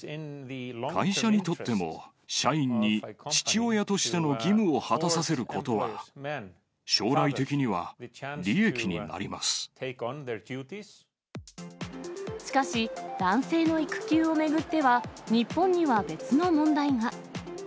会社にとっても、社員に父親としての義務を果たさせることは、将来的には利益になしかし、男性の育休を巡っては、日本には別の問題が。